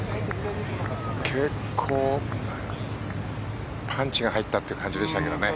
結構、パンチが入ったという感じでしたけどね。